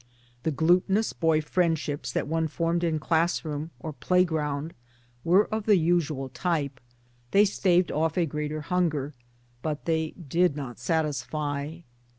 The glutinous boy friendships that one formed in class room or play BRIGHTON 29 ground were of the usual type : they staved off a 1 greater hunger, but they did not satisfy.